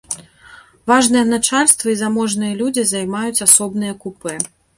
Важнае начальства і заможныя людзі займаюць асобныя купэ.